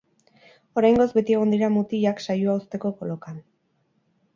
Oraingoz beti egon dira mutilak saioa uzteko kolokan.